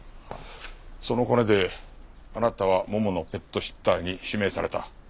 そのコネであなたはもものペットシッターに指名された。